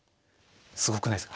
すごくないですか？